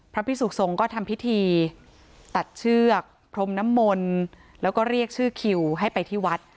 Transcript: พิสุขทรงก็ทำพิธีตัดเชือกพรมน้ำมนต์แล้วก็เรียกชื่อคิวให้ไปที่วัด